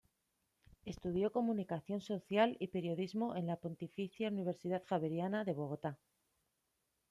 Estudió comunicación social y periodismo en la Pontificia Universidad Javeriana de Bogotá.